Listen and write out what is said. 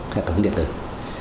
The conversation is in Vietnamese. các doanh nghiệp nhà thu